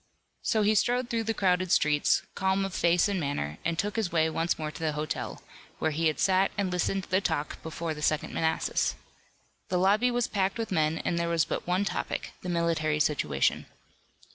So he strode through the crowded streets, calm of face and manner, and took his way once more to the hotel, where he had sat and listened to the talk before the Second Manassas. The lobby was packed with men, and there was but one topic, the military situation.